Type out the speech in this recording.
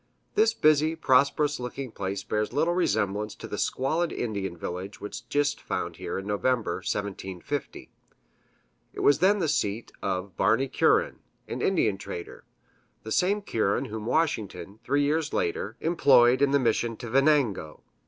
This busy, prosperous looking place bears little resemblance to the squalid Indian village which Gist found here in November, 1750. It was then the seat of Barney Curran, an Indian trader the same Curran whom Washington, three years later, employed in the mission to Venango.